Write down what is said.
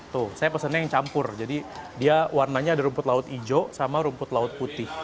tuh saya pesennya yang campur jadi dia warnanya ada rumput laut hijau sama rumput laut putih